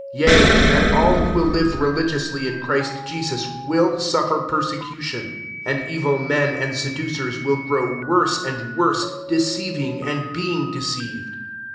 12 Yea, and all who will live religiously in Christ Jesus, will suffer perse cution : 13 and evil men and seducers will grow worse and wofse, deceiving and being de* ceived.